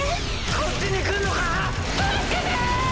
こっちに来んのか⁉助けて！